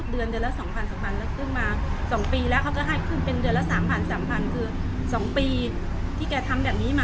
เด้อเลยเขาก็ลออ่ะรอรอตั้งป้องทั้งนั้นหนึ่ง